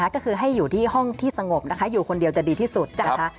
ก็คือให้อยู่ที่ห้องที่สงบนะคะอยู่คนเดียวจะดีที่สุดนะคะ